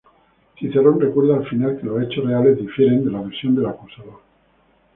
Cicerón recuerda al final que los hechos reales difieren de la versión del acusador.